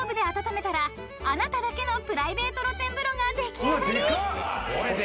［あなただけのプライベート露天風呂が出来上がり！］